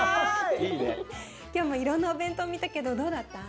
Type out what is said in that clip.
今日もいろんなお弁当見たけどどうだった？